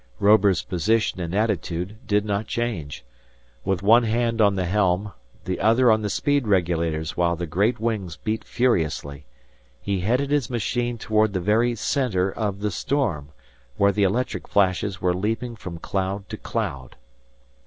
Robur's position and attitude did not change. With one hand on the helm, the other on the speed regulators while the great wings beat furiously, he headed his machine toward the very center of the storm, where the electric flashes were leaping from cloud to cloud.